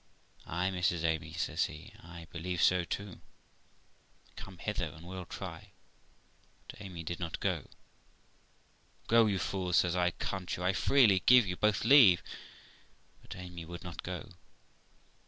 'Ay, Mrs. Amy', says he. 'I believe 220 THE LIFE OF ROXANA so too. Come hither, and we'll try.' But Amy did not go. 'Go, you fool', says I, 'can't you? I freely give you both leave.' But Amy would not go.